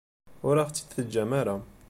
Ur aɣ-tt-id-teǧǧam ara.